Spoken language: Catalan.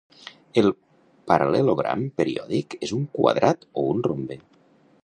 El paral·lelogram periòdic és un quadrat o un rombe.